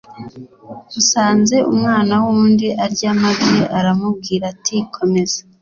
Usanze umwana w’undi arya amabyi aramubwira ati: komeza.